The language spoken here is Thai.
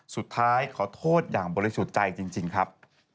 สุดท้ายขอโทษอย่างบริสุทธิ์ใจจริงครับ